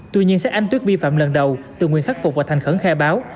tuy nhiên sách ánh tuyết vi phạm lần đầu từ nguyên khắc phục và thành khẩn khe báo